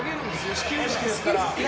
始球式ですから。